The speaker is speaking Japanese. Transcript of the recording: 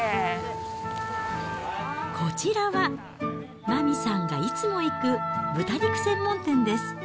こちらは、麻美さんがいつも行く豚肉専門店です。